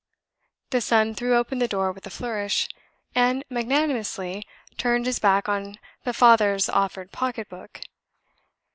The son threw open the door with a flourish; and magnanimously turned his back on the father's offered pocket book.